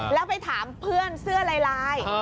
แล้วไปถามเพื่อนเสื้อลาย